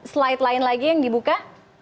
slide lain lagi yang dibuka